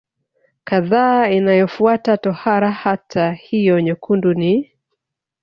kadhaa inayofuata tohara Hata hivyo nyekundu ni